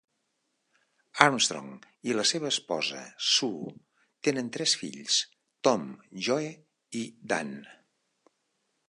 Armstrong i la seva esposa, Sue, tenen tres fills: Tom, Joe i Dan.